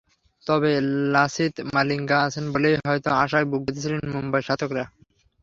তবে লাসিথ মালিঙ্গা আছেন বলেই হয়তো আশায় বুক বেঁধেছিলেন মুম্বাই সমর্থকেরা।